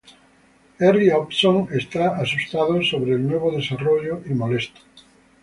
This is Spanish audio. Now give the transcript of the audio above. Henry Hobson está asustado sobre el nuevo desarrollo y molesto.